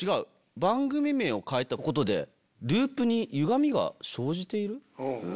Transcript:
番組名を変えたことでループにゆがみが生じている？